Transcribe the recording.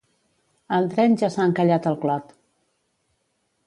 El tren ja s'ha encallat al Clot